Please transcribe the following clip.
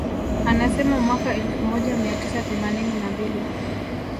Anasema mwaka elfu moja mia tisa themanini na mbili